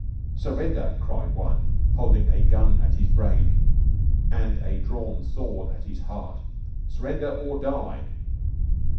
_ _"'Surrender!' cried one, holding a gun at his brain and a drorn sord at his hart, 'Surrender or die!'